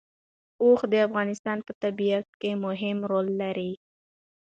اوښ د افغانستان په طبیعت کې مهم رول لري.